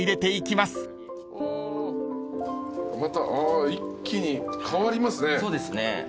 また一気に変わりますね。